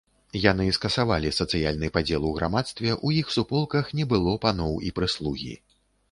Яны скасавалі сацыяльны падзел у грамадстве, у іх суполках не было паноў і прыслугі.